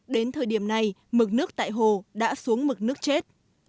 đến thời điểm này mực nước tại hồ đã xuống mực nước chết